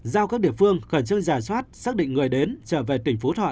giao các địa phương khẩn trương giả soát xác định người đến trở về tỉnh phú thọ